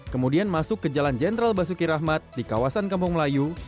kemudian masuk ke jalan jenderal basuki rahmat di kawasan kampung melayu